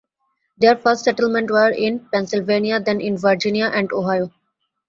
Their first settlements were in Pennsylvania, then in Virginia and Ohio.